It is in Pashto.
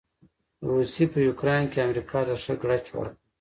روسې په يوکراين کې امریکا ته ښه ګړچ ورکړ.